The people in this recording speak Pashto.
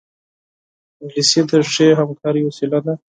انګلیسي د ښې همکارۍ وسیله ده